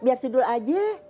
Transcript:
biar si dul aja